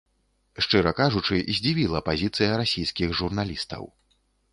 Шчыра кажучы, здзівіла пазіцыя расійскіх журналістаў.